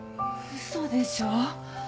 嘘でしょ。